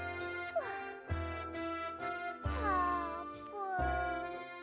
あーぷん。